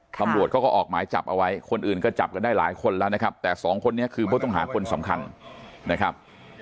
ตำรวจเขาก็ออกหมายจับเอาไว้คนอื่นก็จับกันได้หลายคนแล้วนะครับแต่สองคนนี้คือผู้ต้องหาคนสำคัญนะครับ